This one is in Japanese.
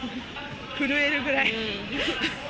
震えるぐらい。